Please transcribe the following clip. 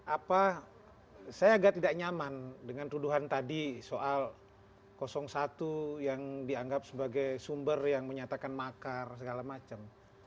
apa saya agak tidak nyaman dengan tuduhan tadi soal satu yang dianggap sebagai sumber yang menyatakan makar segala macam